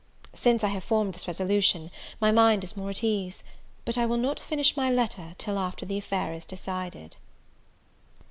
Since I have formed this resolution, my mind is more at ease. But I will not finish my letter till the affair is decided.